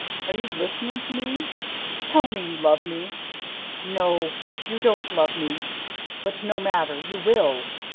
... Are you listening to me? ... Tell me you love me! ... No, you don't love me ... but no matter, you will!